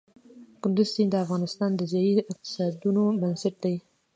کندز سیند د افغانستان د ځایي اقتصادونو بنسټ دی.